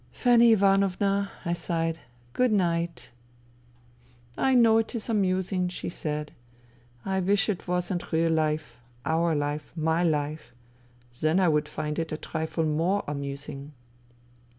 " Fanny Ivanovna," I sighed, " good night." " I know it is amusing," she said. " I wish it wasn't real life, our life, my life. Then I would find it a trifle more amusing."